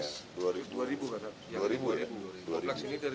kompleks ini dari sembilan puluh tujuh